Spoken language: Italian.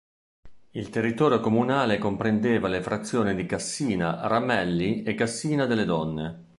Il territorio comunale comprendeva le frazioni di Cassina Ramelli e Cassina delle Donne.